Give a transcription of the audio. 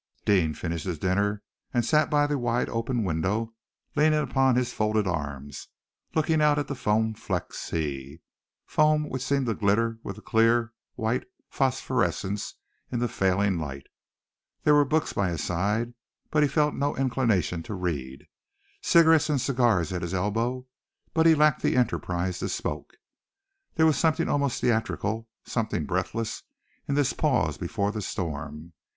Deane finished his dinner and sat by the wide open window, leaning upon his folded arms, looking out at the foam flecked sea, foam which seemed to glitter with a clear, white phosphorescence in the failing light. There were books by his side, but he felt no inclination to read; cigarettes and cigars at his elbow, but he lacked the enterprise to smoke. There was something almost theatrical, something breathless, in this pause before the storm!